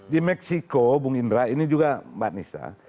di meksiko bung indra ini juga mbak nisa